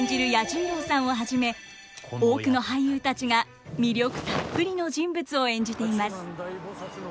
彌十郎さんをはじめ多くの俳優たちが魅力たっぷりの人物を演じています。